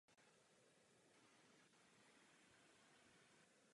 Jezero má sladkou vodu a je bohaté na ryby.